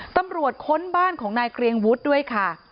ค้นบ้านของนายเกรียงวุฒิด้วยค่ะ